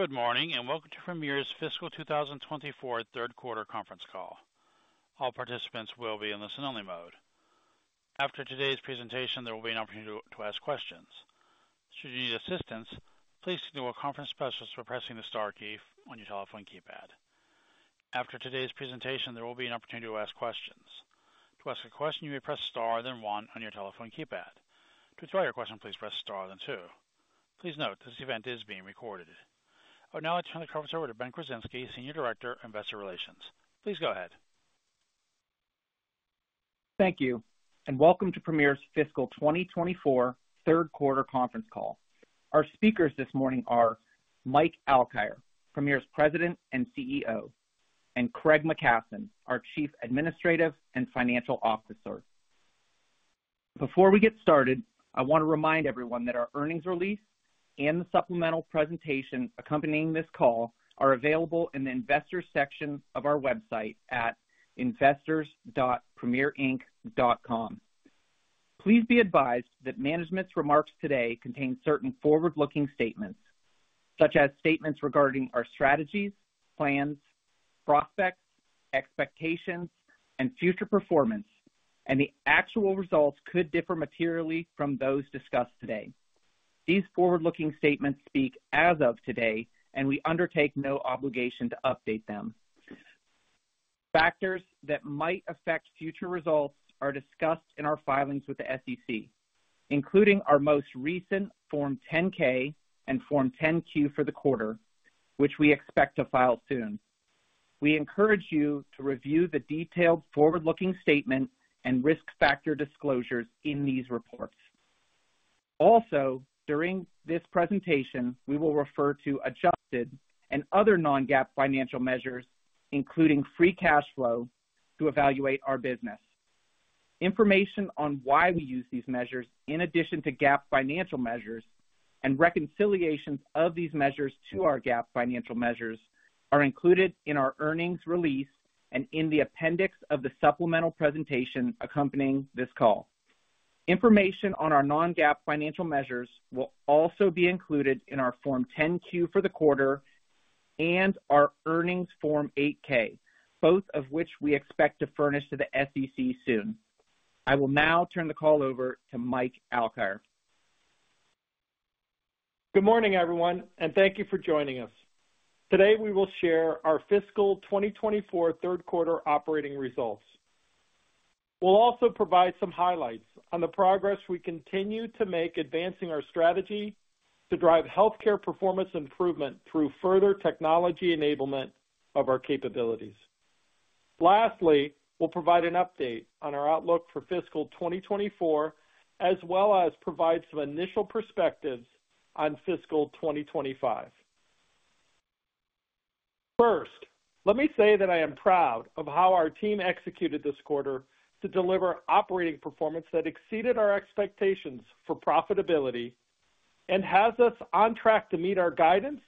Good morning, and welcome to Premier's Fiscal 2024 third quarter conference call. All participants will be in listen-only mode. After today's presentation, there will be an opportunity to ask questions. Should you need assistance, please signal a conference specialist by pressing the Star key on your telephone keypad. After today's presentation, there will be an opportunity to ask questions. To ask a question, you may press star, then one on your telephone keypad. To withdraw your question, please press Star, then two. Please note, this event is being recorded. I would now like to turn the conference over to Ben Korzinski, Senior Director, Investor Relations. Please go ahead. Thank you, and welcome to Premier's fiscal 2024 third quarter conference call. Our speakers this morning are Mike Alkire, Premier's President and CEO, and Craig McKasson, our Chief Administrative and Financial Officer. Before we get started, I want to remind everyone that our earnings release and the supplemental presentation accompanying this call are available in the Investors section of our website at investors.premierinc.com. Please be advised that management's remarks today contain certain forward-looking statements, such as statements regarding our strategies, plans, prospects, expectations, and future performance, and the actual results could differ materially from those discussed today. These forward-looking statements speak as of today, and we undertake no obligation to update them. Factors that might affect future results are discussed in our filings with the SEC, including our most recent Form 10-K and Form 10-Q for the quarter, which we expect to file soon. We encourage you to review the detailed forward-looking statement and risk factor disclosures in these reports. Also, during this presentation, we will refer to adjusted and other non-GAAP financial measures, including free cash flow, to evaluate our business. Information on why we use these measures in addition to GAAP financial measures and reconciliations of these measures to our GAAP financial measures, are included in our earnings release and in the appendix of the supplemental presentation accompanying this call. Information on our non-GAAP financial measures will also be included in our Form 10-Q for the quarter and our earnings Form 8-K, both of which we expect to furnish to the SEC soon. I will now turn the call over to Mike Alkire. Good morning, everyone, and thank you for joining us. Today, we will share our fiscal 2024 third quarter operating results. We'll also provide some highlights on the progress we continue to make, advancing our strategy to drive healthcare performance improvement through further technology enablement of our capabilities. Lastly, we'll provide an update on our outlook for fiscal 2024, as well as provide some initial perspectives on fiscal 2025. First, let me say that I am proud of how our team executed this quarter to deliver operating performance that exceeded our expectations for profitability and has us on track to meet our guidance,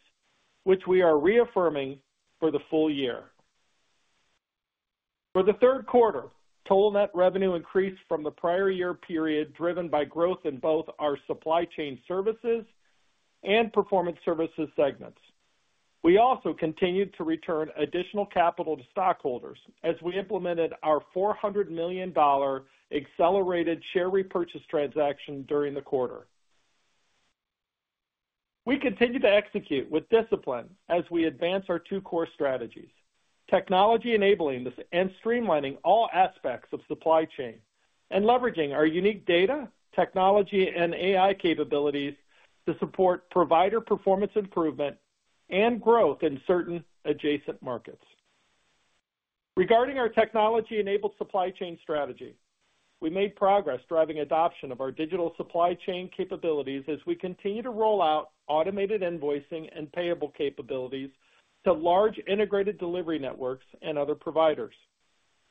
which we are reaffirming for the full year. For the third quarter, total net revenue increased from the prior year period, driven by growth in both our supply chain services and performance services segments. We also continued to return additional capital to stockholders as we implemented our $400 million accelerated share repurchase transaction during the quarter. We continue to execute with discipline as we advance our two core strategies: technology enabling this and streamlining all aspects of supply chain, and leveraging our unique data, technology, and AI capabilities to support provider performance improvement and growth in certain adjacent markets. Regarding our technology-enabled supply chain strategy, we made progress driving adoption of our digital supply chain capabilities as we continue to roll out automated invoicing and payable capabilities to large integrated delivery networks and other providers.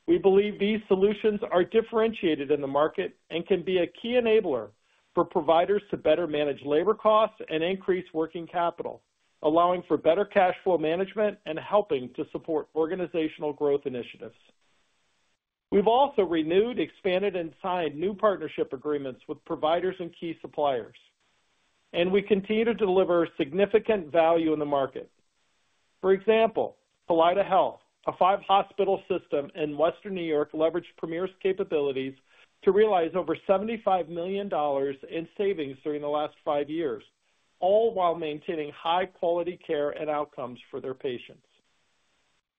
We believe these solutions are differentiated in the market and can be a key enabler for providers to better manage labor costs and increase working capital, allowing for better cash flow management and helping to support organizational growth initiatives. We've also renewed, expanded, and signed new partnership agreements with providers and key suppliers, and we continue to deliver significant value in the market. For example, Kaleida Health, a five-hospital system in Western New York, leveraged Premier's capabilities to realize over $75 million in savings during the last five years, all while maintaining high-quality care and outcomes for their patients.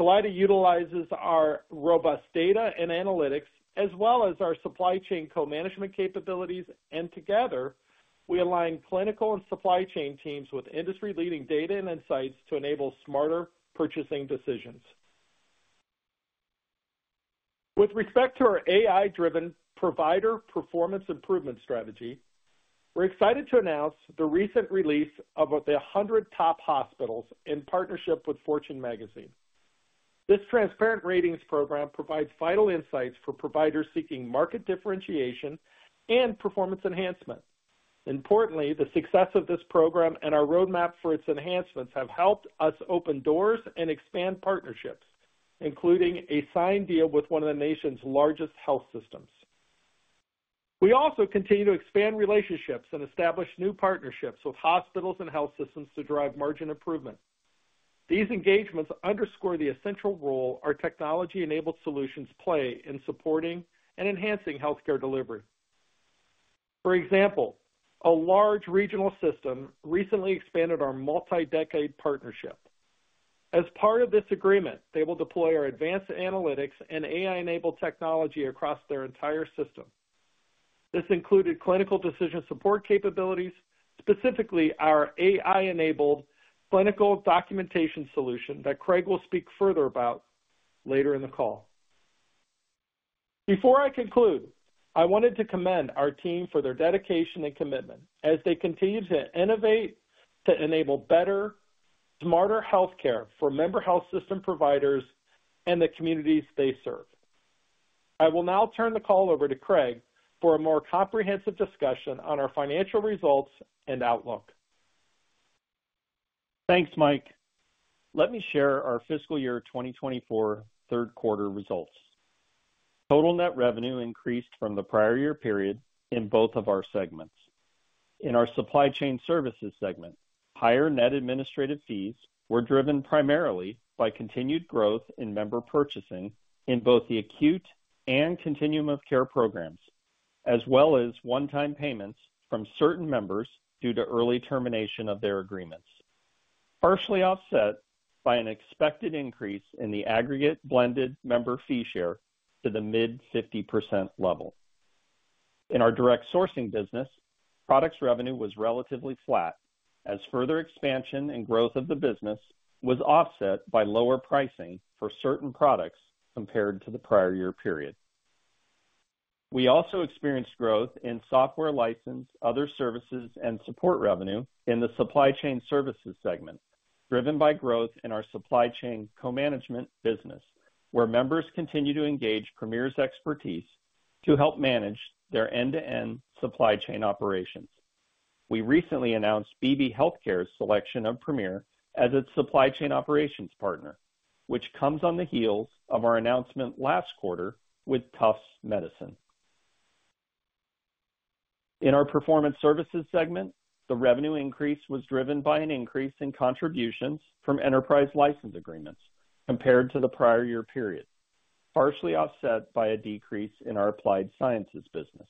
Kaleida utilizes our robust data and analytics, as well as our supply chain co-management capabilities, and together, we align clinical and supply chain teams with industry-leading data and insights to enable smarter purchasing decisions. With respect to our AI-driven provider performance improvement strategy, we're excited to announce the recent release of the 100 Top Hospitals in partnership with Fortune Magazine. This transparent ratings program provides vital insights for providers seeking market differentiation and performance enhancement. Importantly, the success of this program and our roadmap for its enhancements have helped us open doors and expand partnerships, including a signed deal with one of the nation's largest health systems.... We also continue to expand relationships and establish new partnerships with hospitals and health systems to drive margin improvement. These engagements underscore the essential role our technology-enabled solutions play in supporting and enhancing healthcare delivery. For example, a large regional system recently expanded our multi-decade partnership. As part of this agreement, they will deploy our advanced analytics and AI-enabled technology across their entire system. This included clinical decision support capabilities, specifically our AI-enabled clinical documentation solution that Craig will speak further about later in the call. Before I conclude, I wanted to commend our team for their dedication and commitment as they continue to innovate, to enable better, smarter healthcare for member health system providers and the communities they serve. I will now turn the call over to Craig for a more comprehensive discussion on our financial results and outlook. Thanks, Mike. Let me share our fiscal year 2024 third quarter results. Total net revenue increased from the prior year period in both of our segments. In our supply chain services segment, higher net administrative fees were driven primarily by continued growth in member purchasing in both the acute and continuum of care programs, as well as one-time payments from certain members due to early termination of their agreements, partially offset by an expected increase in the aggregate blended member fee share to the mid-50% level. In our direct sourcing business, products revenue was relatively flat as further expansion and growth of the business was offset by lower pricing for certain products compared to the prior year period. We also experienced growth in software license, other services, and support revenue in the supply chain services segment, driven by growth in our supply chain co-management business, where members continue to engage Premier's expertise to help manage their end-to-end supply chain operations. We recently announced Beebe Healthcare's selection of Premier as its supply chain operations partner, which comes on the heels of our announcement last quarter with Tufts Medicine. In our performance services segment, the revenue increase was driven by an increase in contributions from enterprise license agreements compared to the prior year period, partially offset by a decrease in our applied sciences business.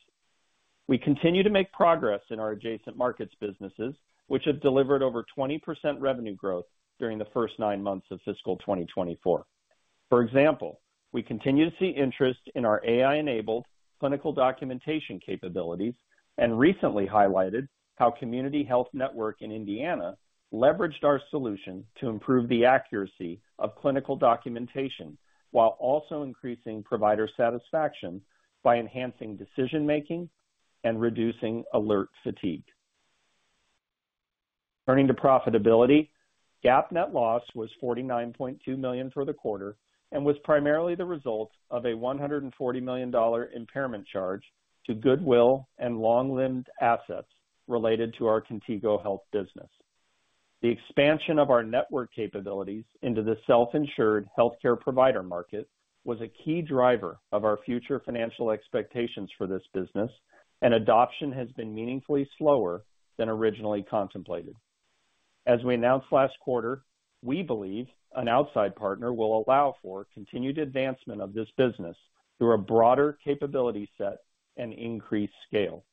We continue to make progress in our adjacent markets businesses, which have delivered over 20% revenue growth during the first nine months of fiscal 2024. For example, we continue to see interest in our AI-enabled clinical documentation capabilities and recently highlighted how Community Health Network in Indiana leveraged our solution to improve the accuracy of clinical documentation, while also increasing provider satisfaction by enhancing decision-making and reducing alert fatigue. Turning to profitability, GAAP net loss was $49.2 million for the quarter and was primarily the result of a $140 million impairment charge to goodwill and long-lived assets related to our Contigo Health business. The expansion of our network capabilities into the self-insured healthcare provider market was a key driver of our future financial expectations for this business, and adoption has been meaningfully slower than originally contemplated. As we announced last quarter, we believe an outside partner will allow for continued advancement of this business through a broader capability set and increased scale.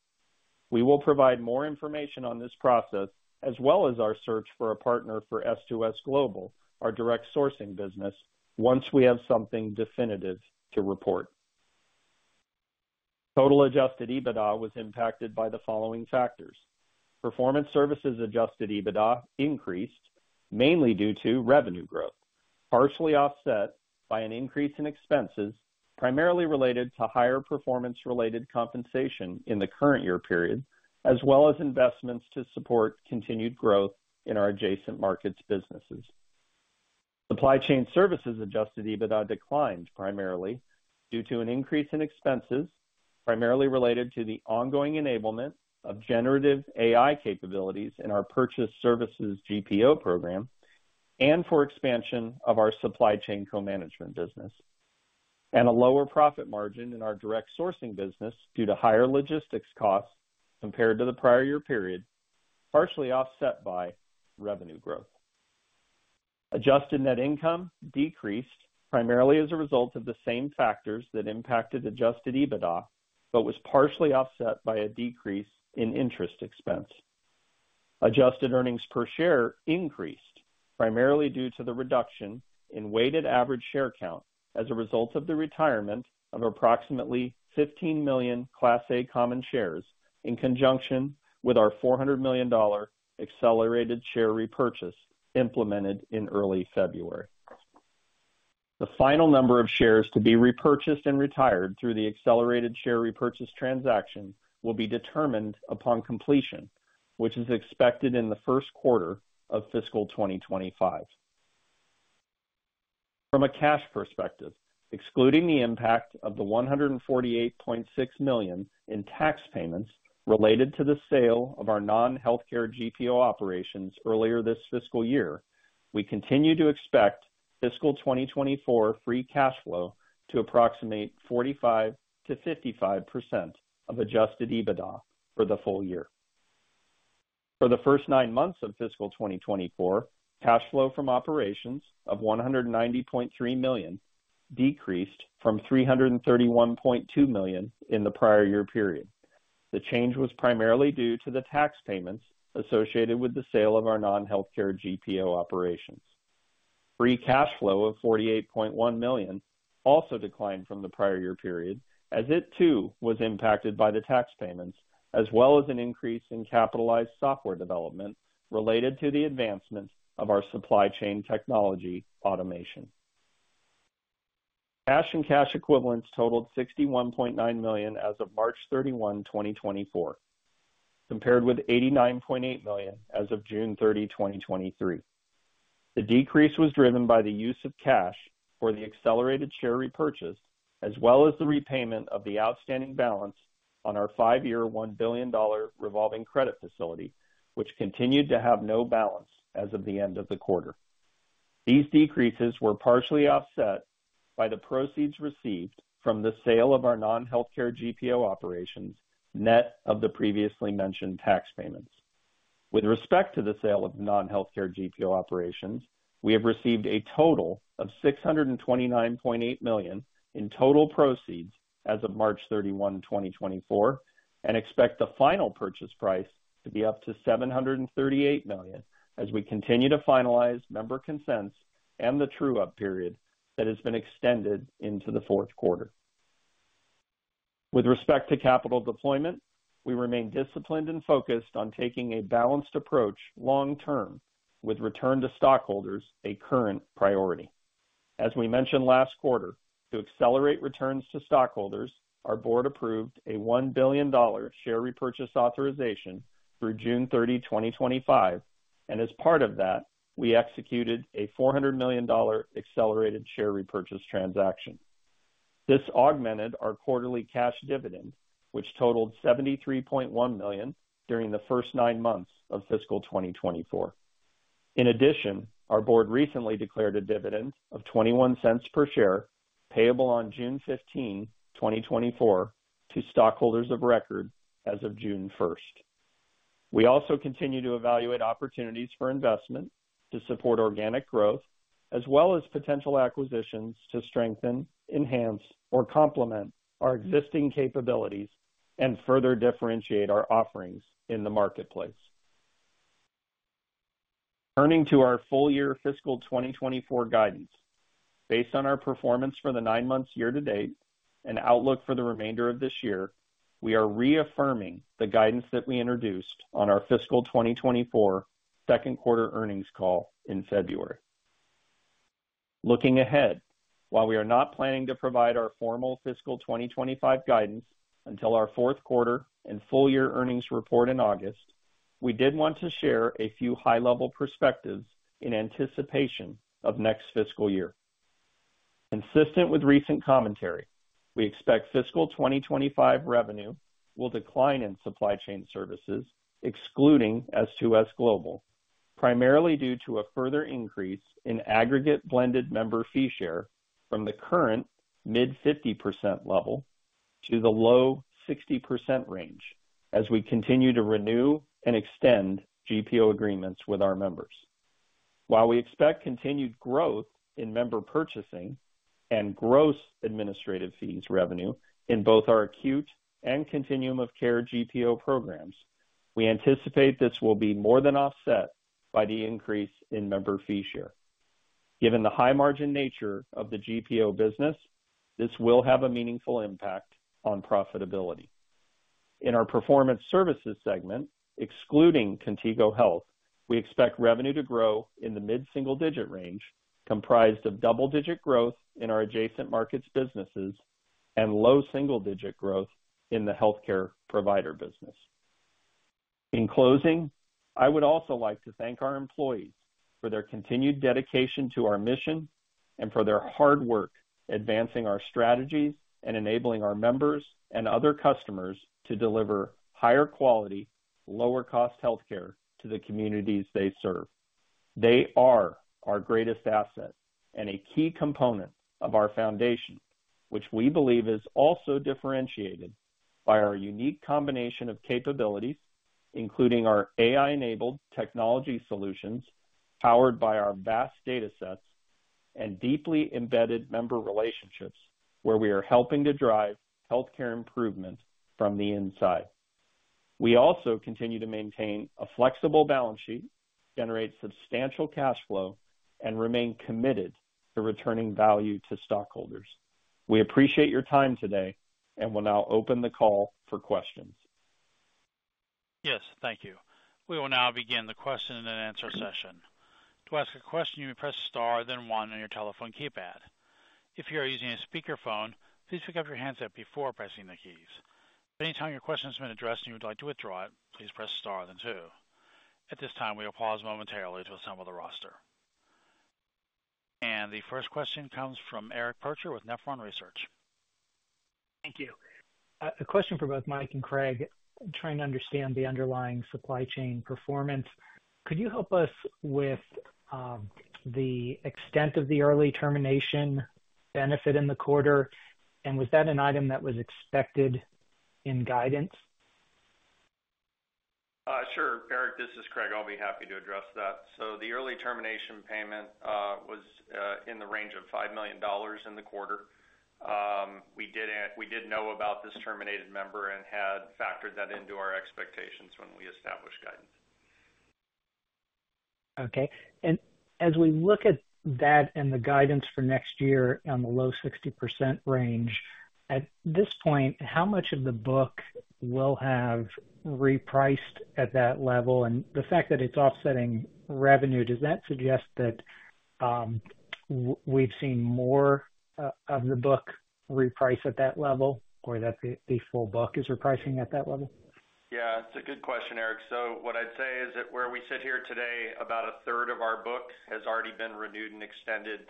We will provide more information on this process, as well as our search for a partner for S2S Global, our direct sourcing business, once we have something definitive to report. Total Adjusted EBITDA was impacted by the following factors: Performance services Adjusted EBITDA increased mainly due to revenue growth, partially offset by an increase in expenses, primarily related to higher performance-related compensation in the current year period, as well as investments to support continued growth in our adjacent markets businesses. Supply chain services Adjusted EBITDA declined primarily due to an increase in expenses, primarily related to the ongoing enablement of generative AI capabilities in our purchased services GPO program and for expansion of our supply chain co-management business, and a lower profit margin in our direct sourcing business due to higher logistics costs compared to the prior year period, partially offset by revenue growth. Adjusted net income decreased primarily as a result of the same factors that impacted Adjusted EBITDA, but was partially offset by a decrease in interest expense. Adjusted earnings per share increased primarily due to the reduction in weighted average share count as a result of the retirement of approximately 15 million Class A common shares, in conjunction with our $400 million accelerated share repurchase implemented in early February. The final number of shares to be repurchased and retired through the accelerated share repurchase transaction will be determined upon completion, which is expected in the first quarter of fiscal 2025. From a cash perspective, excluding the impact of the $148.6 million in tax payments related to the sale of our non-healthcare GPO operations earlier this fiscal year.... We continue to expect fiscal 2024 free cash flow to approximate 45%-55% of Adjusted EBITDA for the full year. For the first nine months of fiscal 2024, cash flow from operations of $190.3 million decreased from $331.2 million in the prior year period. The change was primarily due to the tax payments associated with the sale of our non-healthcare GPO operations. Free cash flow of $48.1 million also declined from the prior year period, as it too, was impacted by the tax payments, as well as an increase in capitalized software development related to the advancement of our supply chain technology automation. Cash and cash equivalents totaled $61.9 million as of March 31, 2024, compared with $89.8 million as of June 30, 2023. The decrease was driven by the use of cash for the accelerated share repurchase, as well as the repayment of the outstanding balance on our five-year, $1 billion revolving credit facility, which continued to have no balance as of the end of the quarter. These decreases were partially offset by the proceeds received from the sale of our non-healthcare GPO operations, net of the previously mentioned tax payments. With respect to the sale of non-healthcare GPO operations, we have received a total of $629.8 million in total proceeds as of March 31, 2024, and expect the final purchase price to be up to $738 million, as we continue to finalize member consents and the true-up period that has been extended into the fourth quarter. With respect to capital deployment, we remain disciplined and focused on taking a balanced approach long term, with return to stockholders a current priority. As we mentioned last quarter, to accelerate returns to stockholders, our board approved a $1 billion share repurchase authorization through June 30, 2025, and as part of that, we executed a $400 million accelerated share repurchase transaction. This augmented our quarterly cash dividend, which totaled $73.1 million during the first nine months of fiscal 2024. In addition, our board recently declared a dividend of $0.21 per share, payable on June 15, 2024, to stockholders of record as of June 1st. We also continue to evaluate opportunities for investment to support organic growth, as well as potential acquisitions to strengthen, enhance, or complement our existing capabilities and further differentiate our offerings in the marketplace. Turning to our full-year fiscal 2024 guidance. Based on our performance for the nine months year-to-date and outlook for the remainder of this year, we are reaffirming the guidance that we introduced on our fiscal 2024 second quarter earnings call in February. Looking ahead, while we are not planning to provide our formal fiscal 2025 guidance until our fourth quarter and full year earnings report in August, we did want to share a few high-level perspectives in anticipation of next fiscal year. Consistent with recent commentary, we expect fiscal 2025 revenue will decline in supply chain services, excluding S2S Global, primarily due to a further increase in aggregate blended member fee share from the current mid-50% level to the low 60% range, as we continue to renew and extend GPO agreements with our members. While we expect continued growth in member purchasing and gross administrative fees revenue in both our acute and continuum of care GPO programs, we anticipate this will be more than offset by the increase in member fee share. Given the high margin nature of the GPO business, this will have a meaningful impact on profitability. In our performance services segment, excluding Contigo Health, we expect revenue to grow in the mid-single-digit range, comprised of double-digit growth in our adjacent markets businesses and low single-digit growth in the healthcare provider business. In closing, I would also like to thank our employees for their continued dedication to our mission and for their hard work advancing our strategies and enabling our members and other customers to deliver higher quality, lower cost healthcare to the communities they serve. They are our greatest asset and a key component of our foundation, which we believe is also differentiated by our unique combination of capabilities, including our AI-enabled technology solutions, powered by our vast datasets and deeply embedded member relationships, where we are helping to drive healthcare improvement from the inside. We also continue to maintain a flexible balance sheet, generate substantial cash flow, and remain committed to returning value to stockholders. We appreciate your time today and will now open the call for questions. Yes, thank you. We will now begin the question and answer session. To ask a question, you may press star, then one on your telephone keypad. If you are using a speakerphone, please pick up your handset before pressing the keys. If anytime your question has been addressed and you would like to withdraw it, please press star, then two. At this time, we will pause momentarily to assemble the roster. The first question comes from Eric Percher with Nephron Research.... Thank you. A question for both Mike and Craig. Trying to understand the underlying supply chain performance, could you help us with the extent of the early termination benefit in the quarter? And was that an item that was expected in guidance? Sure, Eric, this is Craig. I'll be happy to address that. So the early termination payment was in the range of $5 million in the quarter. We did know about this terminated member and had factored that into our expectations when we established guidance. Okay. And as we look at that and the guidance for next year on the low 60% range, at this point, how much of the book will have repriced at that level? And the fact that it's offsetting revenue, does that suggest that we've seen more of the book reprice at that level, or that the full book is repricing at that level? Yeah, it's a good question, Eric. So what I'd say is that where we sit here today, about a third of our book has already been renewed and extended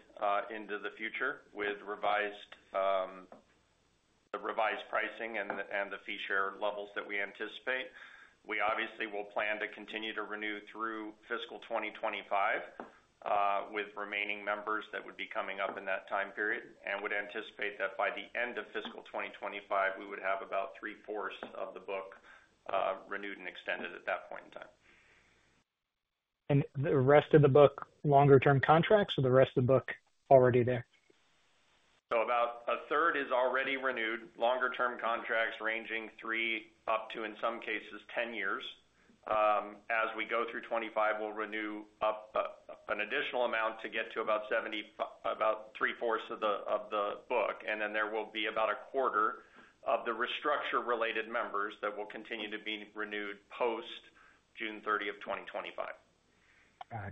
into the future with revised pricing and the fee share levels that we anticipate. We obviously will plan to continue to renew through fiscal 2025 with remaining members that would be coming up in that time period, and would anticipate that by the end of fiscal 2025, we would have about three-fourths of the book renewed and extended at that point in time. The rest of the book, longer term contracts, or the rest of the book already there? So about a third is already renewed, longer term contracts ranging three up to, in some cases, 10 years. As we go through 2025, we'll renew up, an additional amount to get to about 70, about three-fourths of the book, and then there will be about a quarter of the restructure-related members that will continue to be renewed post June 30 of 2025.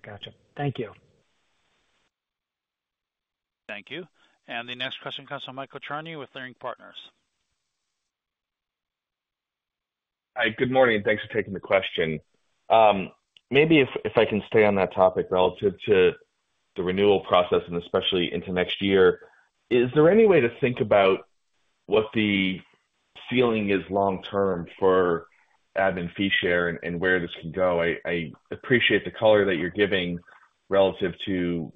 Gotcha. Thank you. Thank you. The next question comes from Michael Cherny with Leerink Partners. Hi, good morning, and thanks for taking the question. Maybe if I can stay on that topic relative to the renewal process and especially into next year, is there any way to think about what the ceiling is long term for admin fee share and where this can go? I appreciate the color that you're giving relative to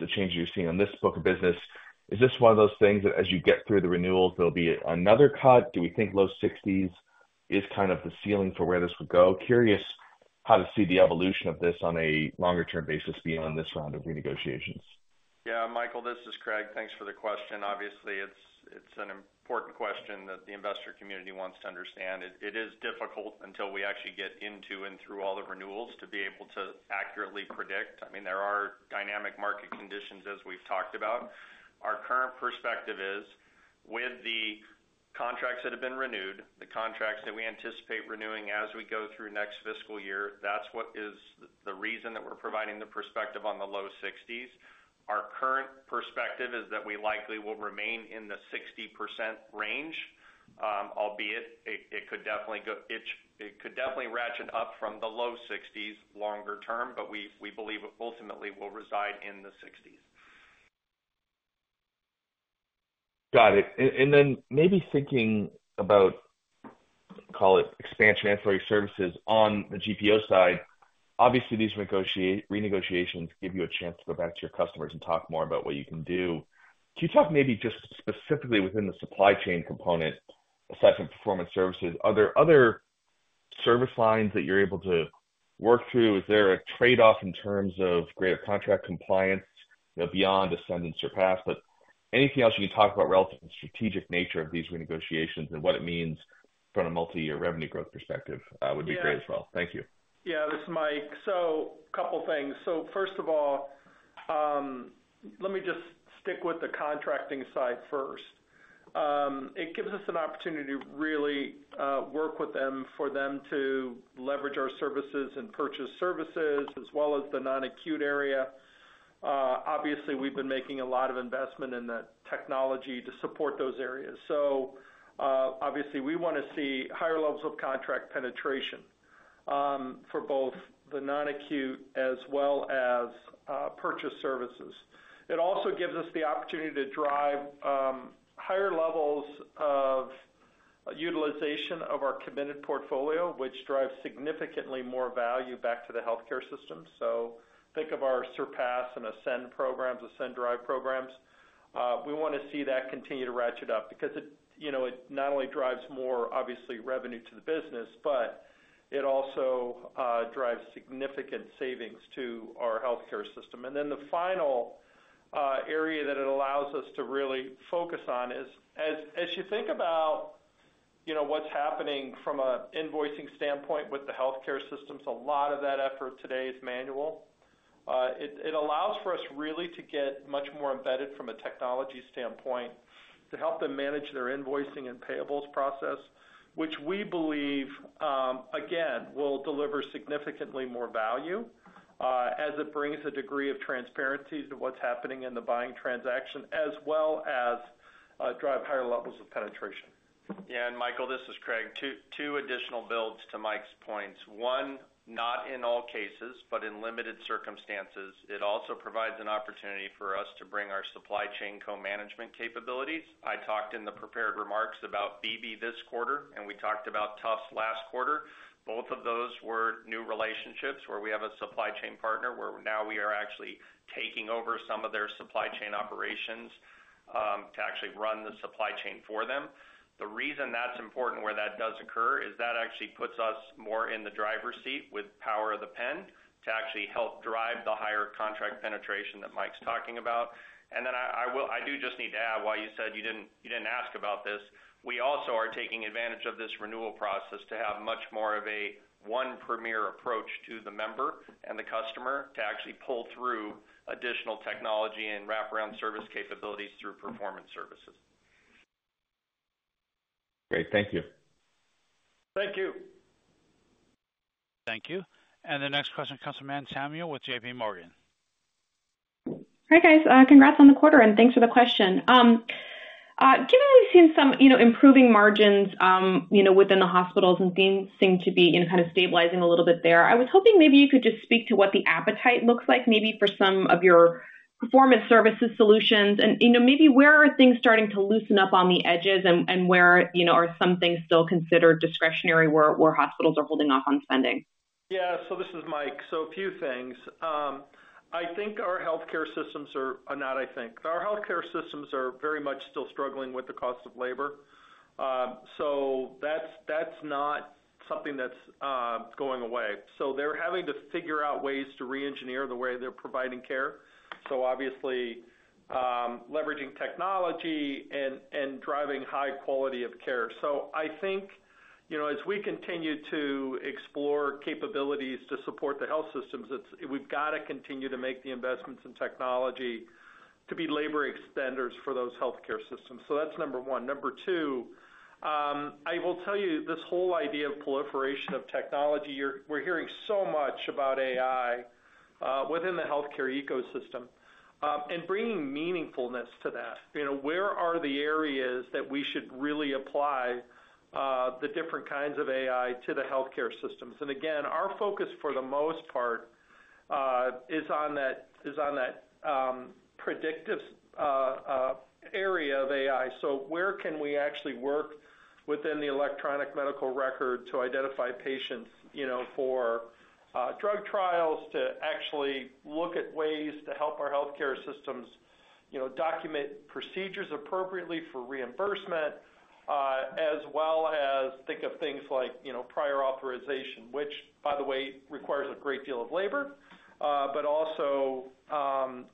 the changes you're seeing on this book of business. Is this one of those things that as you get through the renewals, there'll be another cut? Do we think low sixties is kind of the ceiling for where this would go? Curious how to see the evolution of this on a longer-term basis beyond this round of renegotiations. Yeah, Michael, this is Craig. Thanks for the question. Obviously, it's an important question that the investor community wants to understand. It is difficult until we actually get into and through all the renewals to be able to accurately predict. I mean, there are dynamic market conditions, as we've talked about. Our current perspective is, with the contracts that have been renewed, the contracts that we anticipate renewing as we go through next fiscal year, that's the reason that we're providing the perspective on the low 60s. Our current perspective is that we likely will remain in the 60% range, albeit, it could definitely go, it could definitely ratchet up from the low 60s longer term, but we believe it ultimately will reside in the 60s. Got it. And then maybe thinking about, call it expansion ancillary services on the GPO side. Obviously, these renegotiations give you a chance to go back to your customers and talk more about what you can do. Can you talk maybe just specifically within the supply chain component, aside from Performance Services, are there other service lines that you're able to work through? Is there a trade-off in terms of greater contract compliance, you know, beyond ASCEND and SURPASS, but anything else you can talk about relative to the strategic nature of these renegotiations and what it means from a multiyear revenue growth perspective, would be great as well. Thank you. Yeah, this is Mike. So couple things. So first of all, let me just stick with the contracting side first. It gives us an opportunity to really, work with them, for them to leverage our services and purchased services, as well as the non-acute area. Obviously, we've been making a lot of investment in the technology to support those areas. So, obviously, we wanna see higher levels of contract penetration, for both the non-acute as well as, purchased services. It also gives us the opportunity to drive, higher levels of utilization of our committed portfolio, which drives significantly more value back to the healthcare system. So think of our SURPASS and ASCEND programs, AscenDrive programs. We wanna see that continue to ratchet up because it, you know, it not only drives more, obviously, revenue to the business, but it also drives significant savings to our healthcare system. And then the final area that it allows us to really focus on is, as you think about, you know, what's happening from an invoicing standpoint with the healthcare systems, a lot of that effort today is manual. It allows for us really to get much more embedded from a technology standpoint to help them manage their invoicing and payables process, which we believe, again, will deliver significantly more value, as it brings a degree of transparency to what's happening in the buying transaction, as well as drive higher levels of penetration.... Yeah, and Michael, this is Craig. 2, 2 additional builds to Mike's points. One, not in all cases, but in limited circumstances, it also provides an opportunity for us to bring our supply chain co-management capabilities. I talked in the prepared remarks about Beebe this quarter, and we talked about Tufts last quarter. Both of those were new relationships where we have a supply chain partner, where now we are actually taking over some of their supply chain operations, to actually run the supply chain for them. The reason that's important, where that does occur, is that actually puts us more in the driver's seat with power of the pen to actually help drive the higher contract penetration that Mike's talking about. Then, I do just need to add, while you said you didn't ask about this, we also are taking advantage of this renewal process to have much more of a one Premier approach to the member and the customer to actually pull through additional technology and wraparound service capabilities through Performance Services. Great. Thank you. Thank you. Thank you. The next question comes from Anne Samuel with J.P. Morgan. Hi, guys, congrats on the quarter, and thanks for the question. Given we've seen some, you know, improving margins, you know, within the hospitals and things seem to be, you know, kind of stabilizing a little bit there, I was hoping maybe you could just speak to what the appetite looks like, maybe for some of your performance services solutions, and, you know, maybe where are things starting to loosen up on the edges and where, you know, are some things still considered discretionary, where hospitals are holding off on spending? Yeah, so this is Mike. So a few things. I think our healthcare systems are very much still struggling with the cost of labor. So that's not something that's going away. So they're having to figure out ways to reengineer the way they're providing care. So obviously, leveraging technology and driving high quality of care. So I think, you know, as we continue to explore capabilities to support the health systems, we've got to continue to make the investments in technology to be labor extenders for those healthcare systems. So that's number one. Number two, I will tell you, this whole idea of proliferation of technology, we're hearing so much about AI within the healthcare ecosystem, and bringing meaningfulness to that. You know, where are the areas that we should really apply the different kinds of AI to the healthcare systems? And again, our focus, for the most part, is on that predictive area of AI. So where can we actually work within the electronic medical record to identify patients, you know, for drug trials, to actually look at ways to help our healthcare systems, you know, document procedures appropriately for reimbursement, as well as think of things like, you know, prior authorization, which, by the way, requires a great deal of labor, but also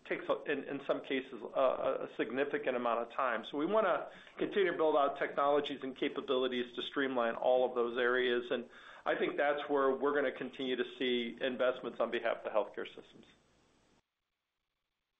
takes up, in some cases, a significant amount of time. We wanna continue to build out technologies and capabilities to streamline all of those areas, and I think that's where we're gonna continue to see investments on behalf of the healthcare systems.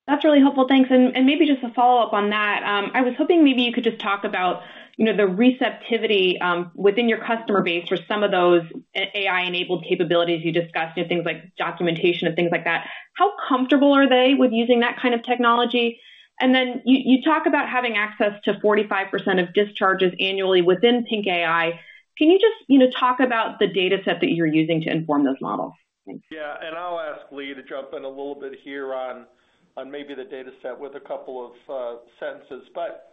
That's really helpful. Thanks. And maybe just a follow-up on that. I was hoping maybe you could just talk about, you know, the receptivity within your customer base for some of those AI-enabled capabilities you discussed, you know, things like documentation and things like that. How comfortable are they with using that kind of technology? And then you talk about having access to 45% of discharges annually within PINC AI. Can you just, you know, talk about the data set that you're using to inform those models? Yeah, and I'll ask Leigh to jump in a little bit here on maybe the data set with a couple of sentences. But,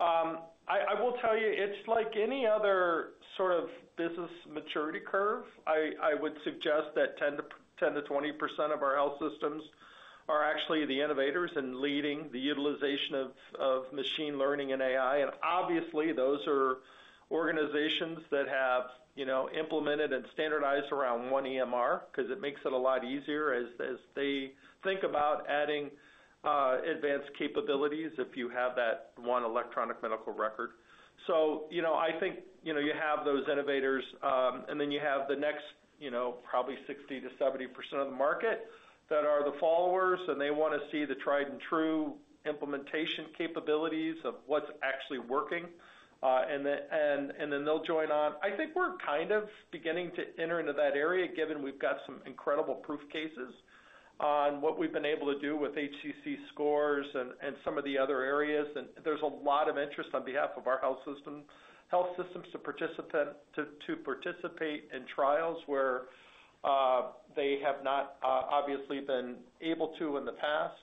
I will tell you, it's like any other sort of business maturity curve. I would suggest that 10%-20% of our health systems are actually the innovators and leading the utilization of machine learning and AI. And obviously, those are organizations that have, you know, implemented and standardized around one EMR, 'cause it makes it a lot easier as they think about adding advanced capabilities if you have that one electronic medical record. So, you know, I think, you know, you have those innovators, and then you have the next, you know, probably 60%-70% of the market that are the followers, and they wanna see the tried and true implementation capabilities of what's actually working, and then they'll join on. I think we're kind of beginning to enter into that area, given we've got some incredible proof cases on what we've been able to do with HCC scores and some of the other areas. And there's a lot of interest on behalf of our health systems to participate in trials where they have not obviously been able to in the past.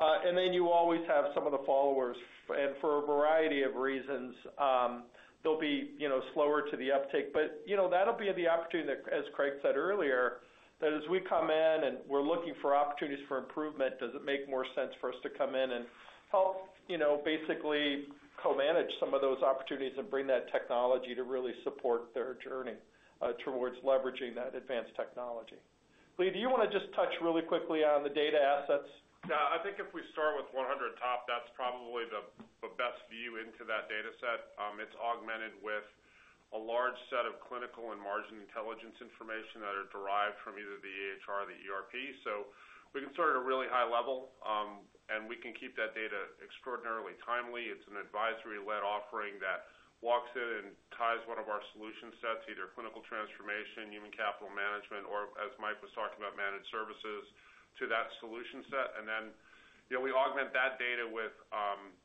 And then you always have some of the followers, and for a variety of reasons, they'll be, you know, slower to the uptake. But, you know, that'll be the opportunity, as Craig said earlier, that as we come in and we're looking for opportunities for improvement, does it make more sense for us to come in and help, you know, basically co-manage some of those opportunities and bring that technology to really support their journey towards leveraging that advanced technology? Leigh, do you wanna just touch really quickly on the data assets? Yeah. I think if we start with 100 Top, that's probably the best view into that data set. It's augmented with a large set of clinical and margin intelligence information that are derived from either the EHR or the ERP. So we can start at a really high level, and we can keep that data extraordinarily timely. It's an advisory-led offering that walks in and ties one of our solution sets, either clinical transformation, human capital management, or as Mike was talking about, managed services, to that solution set. And then, you know, we augment that data with,...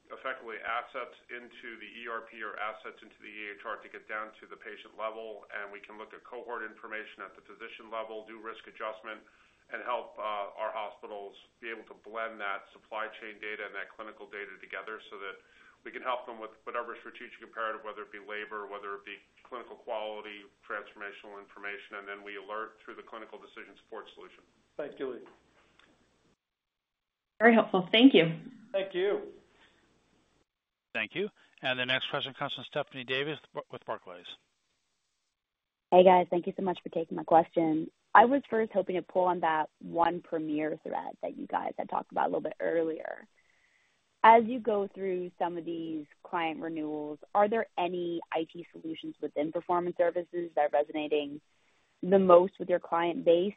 effectively assets into the ERP or assets into the EHR to get down to the patient level, and we can look at cohort information at the physician level, do risk adjustment, and help our hospitals be able to blend that supply chain data and that clinical data together so that we can help them with whatever strategic imperative, whether it be labor, whether it be clinical quality, transformational information, and then we alert through the clinical decision support solution. Thank you, Leigh. Very helpful. Thank you. Thank you. Thank you. And the next question comes from Stephanie Davis with Barclays. Hey, guys. Thank you so much for taking my question. I was first hoping to pull on that one Premier thread that you guys had talked about a little bit earlier. As you go through some of these client renewals, are there any IT solutions within performance services that are resonating the most with your client base?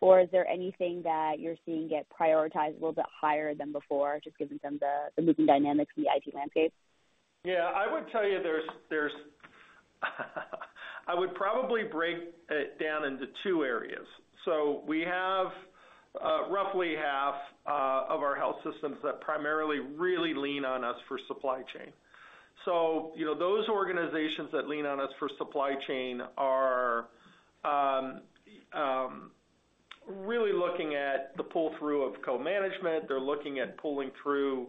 Or is there anything that you're seeing get prioritized a little bit higher than before, just given some of the moving dynamics in the IT landscape? Yeah, I would tell you there's. I would probably break it down into two areas. So we have roughly half of our health systems that primarily really lean on us for supply chain. So, you know, those organizations that lean on us for supply chain are really looking at the pull-through of co-management. They're looking at pulling through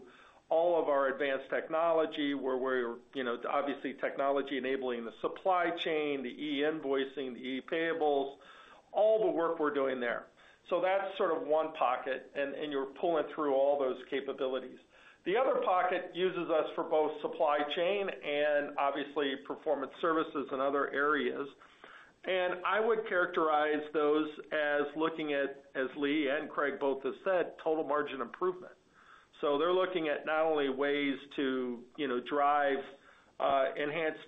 all of our advanced technology, where we're, you know, obviously, technology enabling the supply chain, the e-invoicing, the e-payables, all the work we're doing there. So that's sort of one pocket, and you're pulling through all those capabilities. The other pocket uses us for both supply chain and obviously, performance services and other areas. And I would characterize those as looking at, as Leigh and Craig both have said, total margin improvement. So they're looking at not only ways to, you know, drive enhanced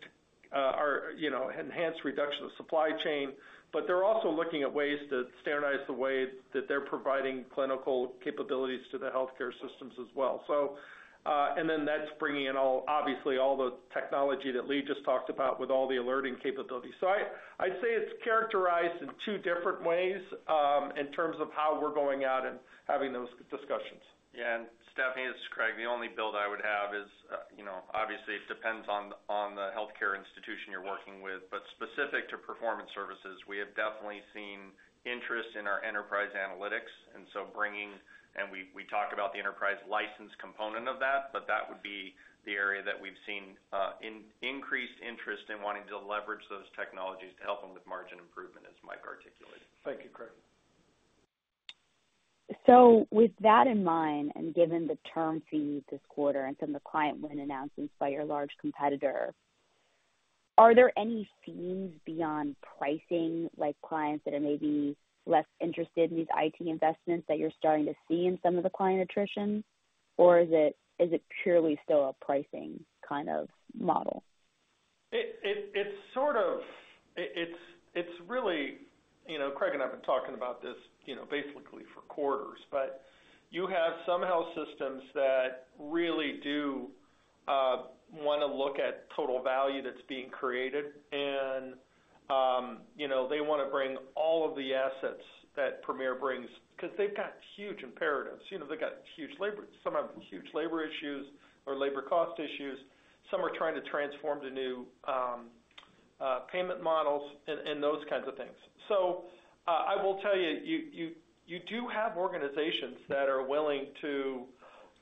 reduction of supply chain, but they're also looking at ways to standardize the way that they're providing clinical capabilities to the healthcare systems as well. So, and then that's bringing in all, obviously, all the technology that Leigh just talked about with all the alerting capabilities. So I'd say it's characterized in two different ways, in terms of how we're going out and having those discussions. Yeah, and Stephanie, this is Craig. The only build I would have is, you know, obviously, it depends on the healthcare institution you're working with. But specific to performance services, we have definitely seen interest in our enterprise analytics, and so bringing—and we, we talked about the enterprise license component of that, but that would be the area that we've seen increased interest in wanting to leverage those technologies to help them with margin improvement, as Mike articulated. Thank you, Craig. So with that in mind, and given the term fees this quarter and some of the client win announcements by your large competitor, are there any themes beyond pricing, like clients that are maybe less interested in these IT investments that you're starting to see in some of the client attrition? Or is it, is it purely still a pricing kind of model? It's sort of... It's really, you know, Craig and I have been talking about this, you know, basically for quarters, but you have some health systems that really do wanna look at total value that's being created, and, you know, they wanna bring all of the assets that Premier brings, 'cause they've got huge imperatives. You know, they've got huge labor, some have huge labor issues or labor cost issues. Some are trying to transform to new payment models and those kinds of things. So, I will tell you, you do have organizations that are willing to,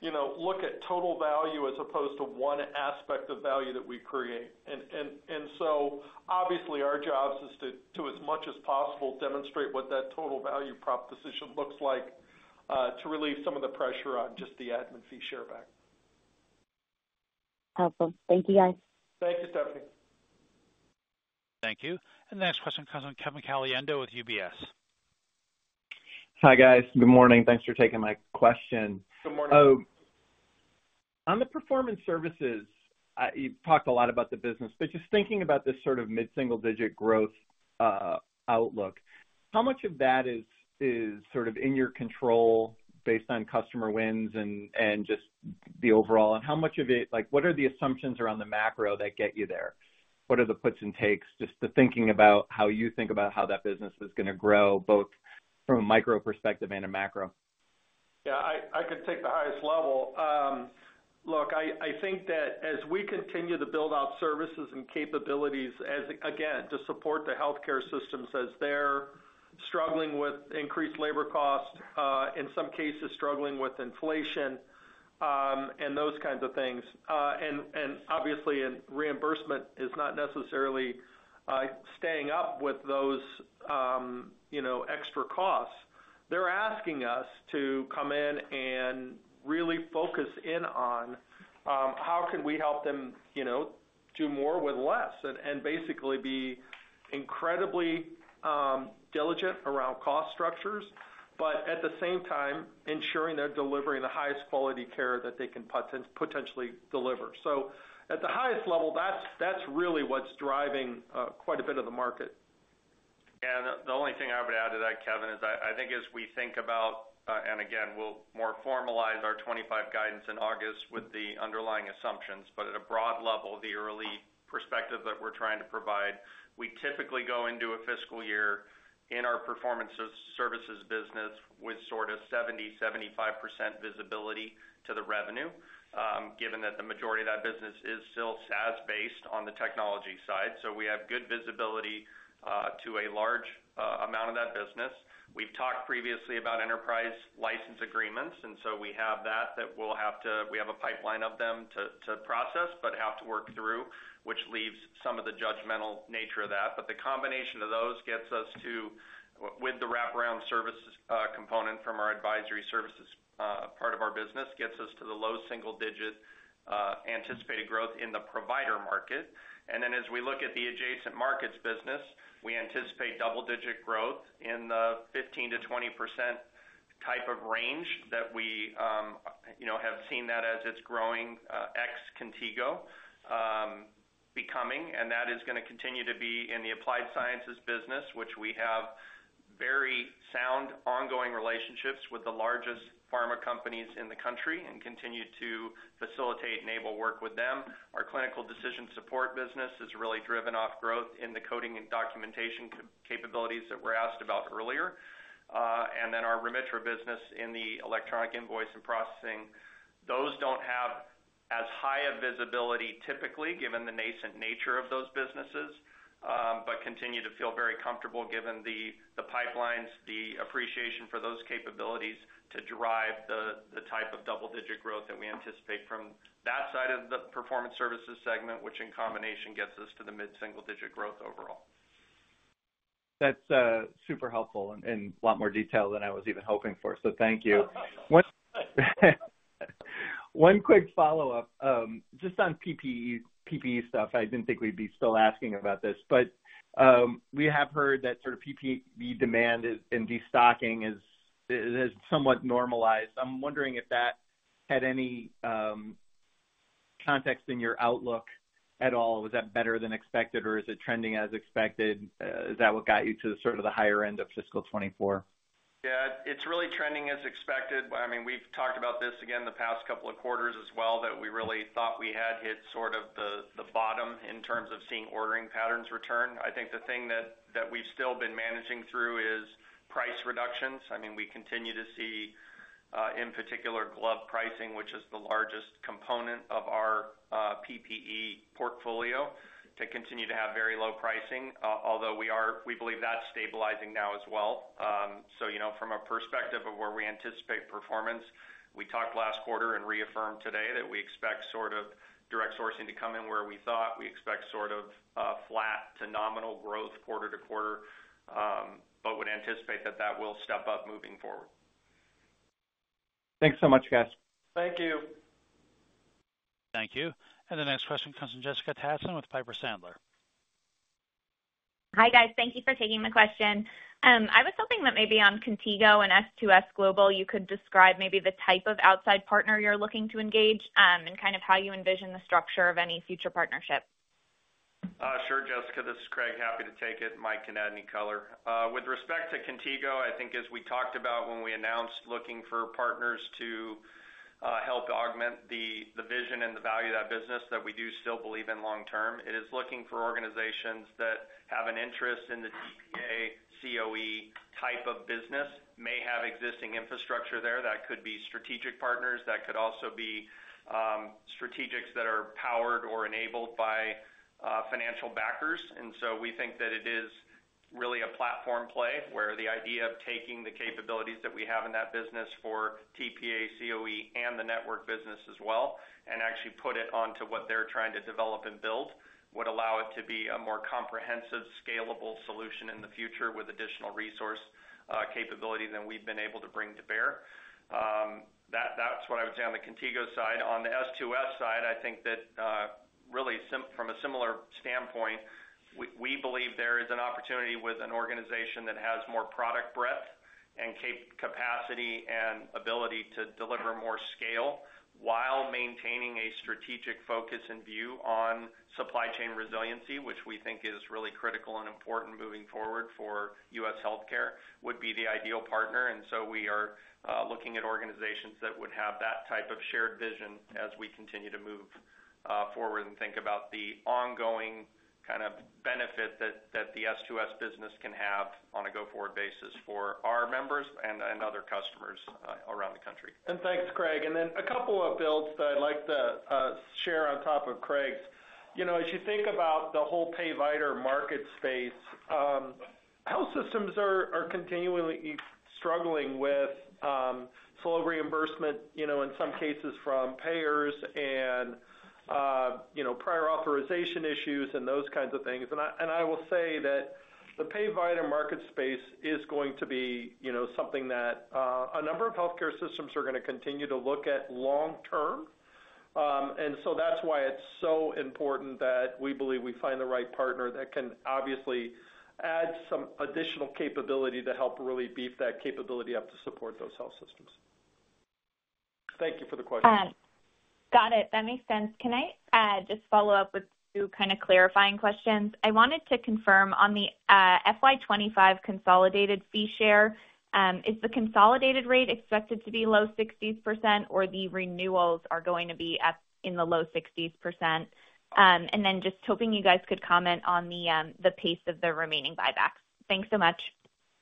you know, look at total value as opposed to one aspect of value that we create. So obviously, our job is to, as much as possible, demonstrate what that total value prop decision looks like, to relieve some of the pressure on just the admin fee share back. Helpful. Thank you, guys. Thank you, Stephanie. Thank you. The next question comes on Kevin Caliendo with UBS. Hi, guys. Good morning. Thanks for taking my question. Good morning. On the performance services, you've talked a lot about the business, but just thinking about this sort of mid-single-digit growth outlook, how much of that is sort of in your control based on customer wins and just the overall? And how much of it, like, what are the assumptions around the macro that get you there? What are the puts and takes, just the thinking about how you think about how that business is gonna grow, both from a micro perspective and a macro? Yeah, I could take the highest level. Look, I think that as we continue to build out services and capabilities, as again to support the healthcare systems as they're struggling with increased labor costs, in some cases struggling with inflation, and those kinds of things, and obviously reimbursement is not necessarily staying up with those, you know, extra costs. They're asking us to come in and really focus in on how can we help them, you know, do more with less, and basically be incredibly diligent around cost structures, but at the same time ensuring they're delivering the highest quality care that they can potentially deliver. So at the highest level, that's really what's driving quite a bit of the market.... The only thing I would add to that, Kevin, is I think as we think about, and again, we'll more formalize our 2025 guidance in August with the underlying assumptions, but at a broad level, the early perspective that we're trying to provide, we typically go into a fiscal year in our performance services business with sort of 70-75% visibility to the revenue, given that the majority of that business is still SaaS-based on the technology side. So we have good visibility to a large amount of that business. We've talked previously about enterprise license agreements, and so we have that that we'll have to. We have a pipeline of them to process, but have to work through, which leaves some of the judgmental nature of that. But the combination of those gets us to, with the wraparound services, component from our advisory services, part of our business, gets us to the low single digit anticipated growth in the provider market. And then as we look at the adjacent markets business, we anticipate double-digit growth in the 15%-20% type of range that we, you know, have seen that as it's growing, ex Contigo, becoming, and that is gonna continue to be in the applied sciences business, which we have very sound, ongoing relationships with the largest pharma companies in the country and continue to facilitate and enable work with them. Our clinical decision support business is really driven off growth in the coding and documentation capabilities that were asked about earlier. And then our Remitra business in the electronic invoice and processing, those don't have as high a visibility, typically, given the nascent nature of those businesses, but continue to feel very comfortable given the, the pipelines, the appreciation for those capabilities to derive the, the type of double-digit growth that we anticipate from that side of the performance services segment, which in combination gets us to the mid-single-digit growth overall. That's super helpful and a lot more detail than I was even hoping for. So thank you. One quick follow-up, just on PPE stuff. I didn't think we'd be still asking about this, but we have heard that sort of PPE demand is, and destocking is somewhat normalized. I'm wondering if that had any context in your outlook at all. Was that better than expected, or is it trending as expected? Is that what got you to the sort of higher end of fiscal 2024? Yeah, it's really trending as expected. I mean, we've talked about this again the past couple of quarters as well, that we really thought we had hit sort of the bottom in terms of seeing ordering patterns return. I think the thing that we've still been managing through is price reductions. I mean, we continue to see in particular glove pricing, which is the largest component of our PPE portfolio, to continue to have very low pricing, although we believe that's stabilizing now as well. So, you know, from a perspective of where we anticipate performance, we talked last quarter and reaffirmed today that we expect sort of direct sourcing to come in where we thought. We expect sort of flat to nominal growth quarter to quarter, but would anticipate that that will step up moving forward. Thanks so much, guys. Thank you. Thank you. And the next question comes from Jessica Tassan with Piper Sandler. Hi, guys. Thank you for taking the question. I was hoping that maybe on Contigo and S2S Global, you could describe maybe the type of outside partner you're looking to engage, and kind of how you envision the structure of any future partnership. Sure, Jessica, this is Craig. Happy to take it. Mike can add any color. With respect to Contigo, I think as we talked about when we announced looking for partners to help augment the vision and the value of that business, that we do still believe in long term, it is looking for organizations that have an interest in the TPA, COE type of business, may have existing infrastructure there. That could be strategic partners, that could also be strategics that are powered or enabled by financial backers. And so we think that it is really a platform play, where the idea of taking the capabilities that we have in that business for TPA, COE, and the network business as well, and actually put it onto what they're trying to develop and build, would allow it to be a more comprehensive, scalable solution in the future with additional resource capability than we've been able to bring to bear. That, that's what I would say on the Contigo side. On the S2S side, I think that really from a similar standpoint, we believe there is an opportunity with an organization that has more product breadth and capacity and ability to deliver more scale while maintaining a strategic focus and view on supply chain resiliency, which we think is really critical and important moving forward for U.S. healthcare, would be the ideal partner. So we are looking at organizations that would have that type of shared vision as we continue to move forward and think about the ongoing kind of benefit that the S2S business can have on a go-forward basis for our members and other customers around the country. Thanks, Craig. Then a couple of builds that I'd like to share on top of Craig's. You know, as you think about the whole Payvider market space, health systems are continually struggling with slow reimbursement, you know, in some cases from payers and prior authorization issues and those kinds of things. I will say that the Payvider market space is going to be, you know, something that a number of healthcare systems are gonna continue to look at long term. That's why it's so important that we believe we find the right partner that can obviously add some additional capability to help really beef that capability up to support those health systems. Thank you for the question. Got it. That makes sense. Can I just follow up with two kind of clarifying questions? I wanted to confirm on the FY 25 consolidated fee share, is the consolidated rate expected to be low 60s%, or the renewals are going to be up in the low 60s%? And then just hoping you guys could comment on the pace of the remaining buybacks. Thanks so much.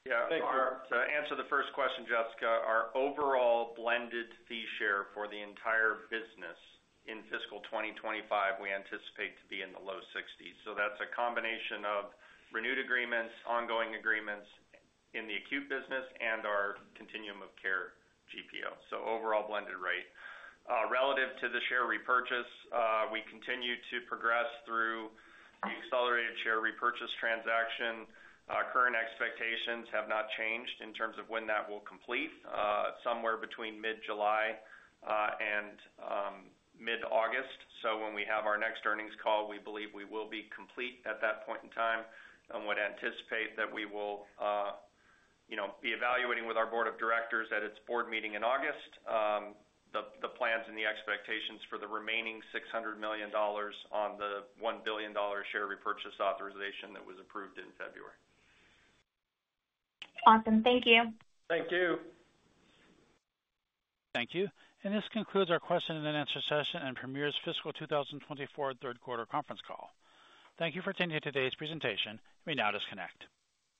Yeah. Thanks. To answer the first question, Jessica, our overall blended fee share for the entire business in fiscal 2025, we anticipate to be in the low 60s. So that's a combination of renewed agreements, ongoing agreements in the acute business, and our continuum of care GPO, so overall blended rate. Relative to the share repurchase, we continue to progress through the accelerated share repurchase transaction. Our current expectations have not changed in terms of when that will complete, somewhere between mid-July and mid-August. So when we have our next earnings call, we believe we will be complete at that point in time, and would anticipate that we will, you know, be evaluating with our board of directors at its board meeting in August, the plans and the expectations for the remaining $600 million on the $1 billion share repurchase authorization that was approved in February. Awesome. Thank you. Thank you. Thank you. This concludes our question and answer session on Premier's fiscal 2024 third quarter conference call. Thank you for attending today's presentation. You may now disconnect.